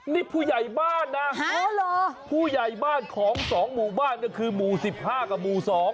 นี่ผู้ใหญ่บ้านนะผู้ใหญ่บ้านของ๒หมู่บ้านก็คือหมู่๑๕กับหมู่๒